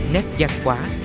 nét văn hóa